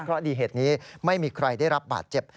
เพราะดีเหตุนี้ไม่มีใครได้รับบาดเจ็บ